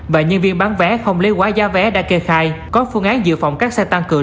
và nhân viên bán vé không lấy quá giá vé đã kê khai có phương án dự phòng các xe tăng cường